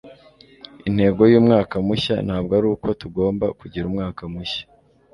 intego y'umwaka mushya ntabwo ari uko tugomba kugira umwaka mushya